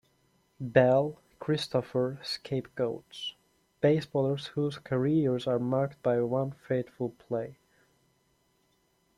Bell, Christopher, Scapegoats: Baseballers Whose Careers Are Marked by One Fateful Play.